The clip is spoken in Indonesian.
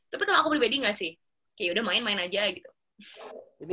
tapi kalau aku pribadi gak sih kayak yaudah main main aja gitu